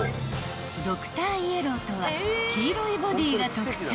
［ドクターイエローとは黄色いボディーが特徴］